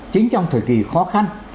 chính trong thời kỳ khó khăn